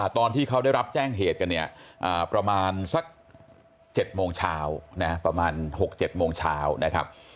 ตอนที่เขาได้รับแจ้งเหตุกันเนี่ยประมาณสัก๗โมงเช้าประมาณ๖๗โมงเช้านะครับ